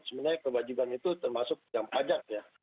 sebenarnya kewajiban itu termasuk yang pajak ya